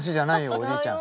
おじいちゃん。